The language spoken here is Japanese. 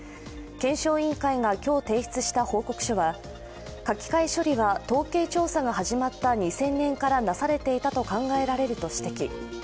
検証委員会が今日、提出した報告書は、書き換え処理は統計調査が始まった２０００年からなされていたと考えられると指摘。